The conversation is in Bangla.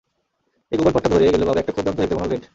এই গোপন পথটা ধরে গেলে পাবে একটা ক্ষুদ্র হেক্সাগোনাল ভেন্ট।